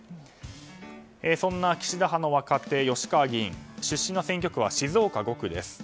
そんな岸田派の若手吉川議員、出身の選挙区は静岡５区です。